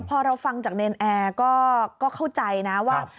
พอเราฟังจากเนรนแอร์ก็เข้าใจนะว่า